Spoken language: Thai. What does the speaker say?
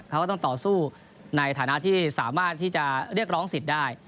เขาก็ต้องต่อสู้ในฐานะที่สามารถที่จะเรียกร้องสิทธิ์ได้